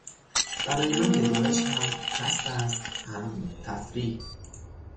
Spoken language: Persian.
برای من نگارش هم کسب است هم تفریح.